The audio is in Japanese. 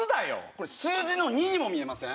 これ数字の「２」にも見えません？